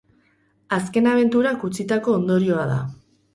Azken abenturak utzitako ondorioa da.